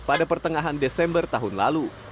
pada pertengahan desember tahun lalu